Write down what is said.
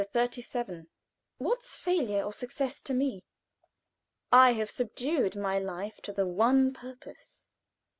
CHAPTER XXXVII. "What's failure or success to me? I have subdued my life to the one purpose."